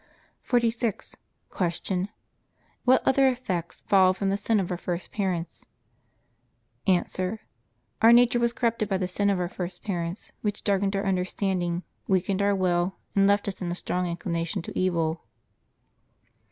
46. Q. What other effects followed from the sin of our first parents? A. Our nature was corrupted by the sin of our first parents, which darkened our understanding, weakened our will, and left in us a strong inclination to evil.